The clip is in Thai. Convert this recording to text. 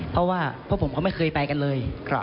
เพราะว่าพวกผมเขาไม่เคยไปกันเลย